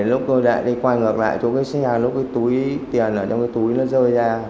lúc tôi đã đi quay ngược lại tôi cái xe lúc cái túi tiền ở trong cái túi nó rơi ra